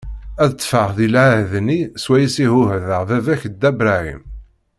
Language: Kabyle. Ad ṭṭfeɣ di lɛehd-nni swayes i ɛuhdeɣ baba-k Dda Bṛahim.